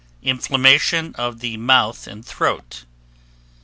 Inflammation of the mouth and throat 8.